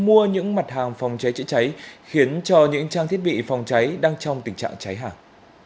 mua những mặt hàng phòng cháy chữa cháy khiến cho những trang thiết bị phòng cháy đang trong tình trạng cháy hàng